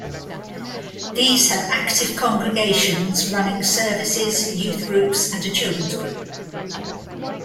These have active congregations: running services, youth groups and a children's group.